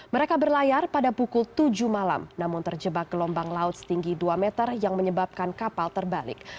mereka berlayar pada pukul tujuh malam namun terjebak gelombang laut setinggi dua meter yang menyebabkan kapal terbalik